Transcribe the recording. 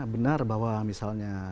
benar bahwa misalnya